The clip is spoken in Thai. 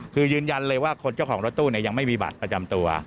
คือยืนยันเลยว่าคนเจ้าของรถตู้ยังไม่มีบัตรประจำตัว